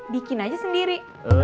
bikin aja sendiri